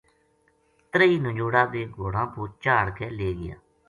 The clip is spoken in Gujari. تریہی نجوڑا بے گھوڑاں پو چاہڑ کے لے گیا